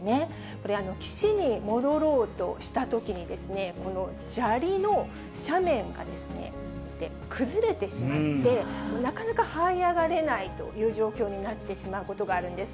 これ、岸に戻ろうとしたときに、この砂利の斜面が、崩れてしまって、なかなかはい上がれないという状況になってしまうことがあるんです。